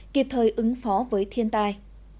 kịp thời ứng phó với thiên tai